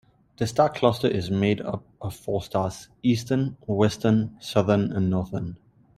The star cluster is made up of four stars: Eastern, Western, Southern and Northern.